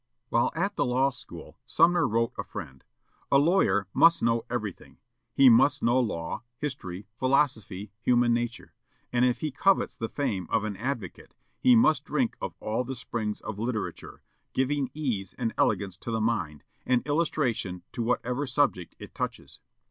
While at the law school, Sumner wrote a friend, "A lawyer must know everything. He must know law, history, philosophy, human nature; and, if he covets the fame of an advocate, he must drink of all the springs of literature, giving ease and elegance to the mind, and illustration to whatever subject it touches.